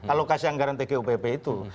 alokasi anggaran tgupp itu